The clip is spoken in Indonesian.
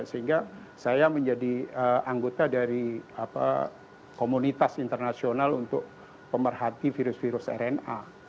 sehingga saya menjadi anggota dari komunitas internasional untuk pemerhati virus virus rna